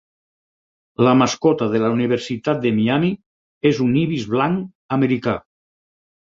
La mascota de la Universitat de Miami és un ibis blanc americà.